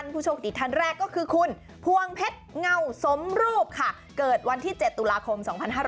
ผู้โชคดีท่านแรกก็คือคุณพวงเพชรเงาสมรูปค่ะเกิดวันที่๗ตุลาคม๒๕๕๙